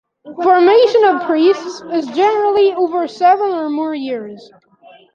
Formation of priests is generally over seven or more years.